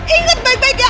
ingat baik baik ya